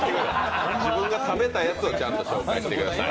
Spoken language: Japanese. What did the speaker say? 自分が食べたやつをちゃんと紹介してください。